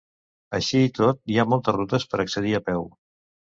Així i tot hi ha moltes rutes per accedir a peu.